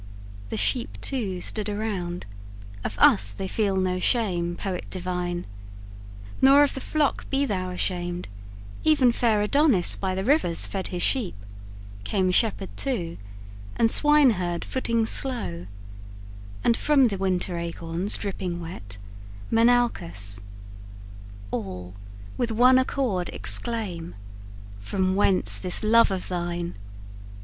The sheep too stood around Of us they feel no shame, poet divine; Nor of the flock be thou ashamed: even fair Adonis by the rivers fed his sheep Came shepherd too, and swine herd footing slow, And, from the winter acorns dripping wet Menalcas. All with one accord exclaim: "From whence this love of thine?"